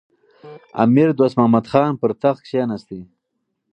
امیر دوست محمد خان پر تخت کښېناست.